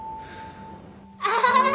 アハハハ